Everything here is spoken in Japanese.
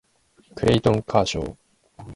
クレイトン・カーショー